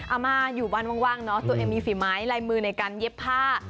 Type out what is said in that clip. อาม่าอยู่บ้านว่างเนาะตัวเองมีฝีไม้ลายมือในการเย็บผ้า